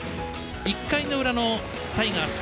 １回の裏のタイガース